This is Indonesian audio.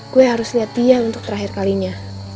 gue harus lihat dia untuk terakhir kalinya